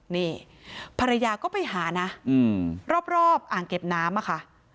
นี่ภรรยาก็ไปหานะรอบอ่างเก็บน้ำอะค่ะ